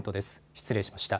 失礼しました。